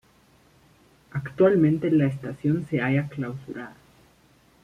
Actualmente la estación se halla clausurada.